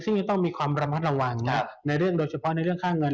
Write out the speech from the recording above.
ซึ่งจะต้องมีความระมัดระวังในเรื่องโดยเฉพาะในเรื่องค่าเงิน